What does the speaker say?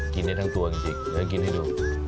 กินได้ทั้งตัวจริงแล้วกินให้ดู